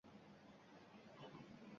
Men yarimlyuksga buyurtma berganman.